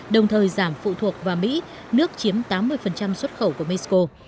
đồng thời giảm phụ thuộc vào mỹ nước chiếm tám mươi xuất khẩu của mexico